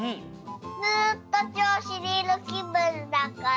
ずっとちょうしにいるきぶんだから。